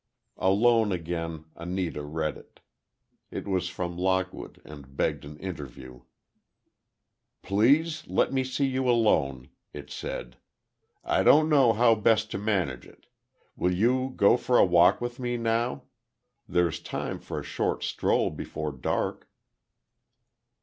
Alone again, Anita read it. It was from Lockwood and begged an interview. "Please let me see you alone," it said; "I don't know how best to manage it. Will you go for a walk with me now? There's time for a short stroll before dark."